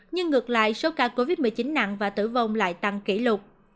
nhưng ngược lại số ca covid một mươi chín nặng và tử vong lại tăng kỷ lục